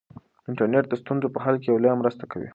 انټرنیټ د ستونزو په حل کې لویه مرسته کوي.